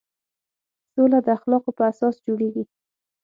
سوله د اخلاقو په اساس جوړېږي.